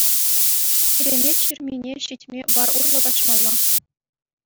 Киремет ҫырмине ҫитме вар урлӑ каҫмалла.